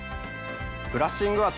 ブラッシング圧？